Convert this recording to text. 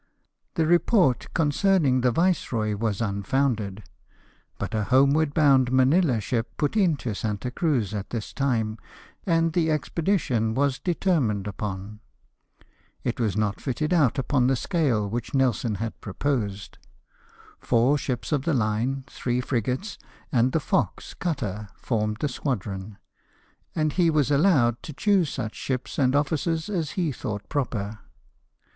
The report concerning the viceroy was unfounded, but a homeward bound Manilla ship put into Santa Cruz at this time, and the expedition was determined upon. It was not fitted out upon the scale which Nelson had proposed. Four ships of the line, three frigates, and the Fox cubter, formed the squadron ; and he was allowed to choose such ships and officers T 114 LIFE OF NELSON. as he thought proper.